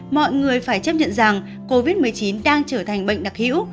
mọi người phải chấp nhận rằng covid một mươi chín đang trở thành bệnh đặc hữu